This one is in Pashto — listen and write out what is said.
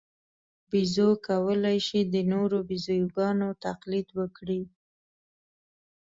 بیزو کولای شي د نورو بیزوګانو تقلید وکړي.